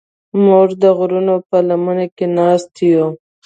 موږ د غرونو په لمنه کې ناست یو.